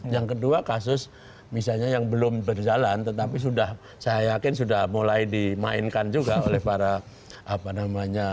yang kedua kasus misalnya yang belum berjalan tetapi sudah saya yakin sudah mulai dimainkan juga oleh para apa namanya